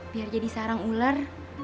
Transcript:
biar jadi sarang ular